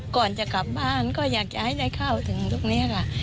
ก่อนจะกลับบ้านก็อยากจะให้ได้เข้าถึงตรงนี้ค่ะ